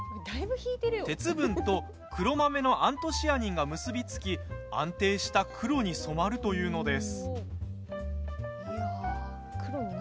鉄分と黒豆のアントシアニンが結び付き安定した黒に染まるというのです。